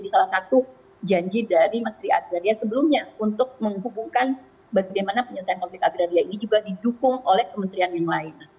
salah satu janji dari menteri agraria sebelumnya untuk menghubungkan bagaimana penyelesaian konflik agraria ini juga didukung oleh kementerian yang lain